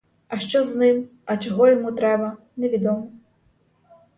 А що з ним, а чого йому треба, невідомо.